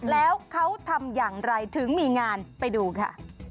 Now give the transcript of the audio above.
แล้วเขาทำอย่างไรถึงมีงานไปดูค่ะ